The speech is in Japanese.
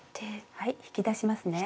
引き出しますね。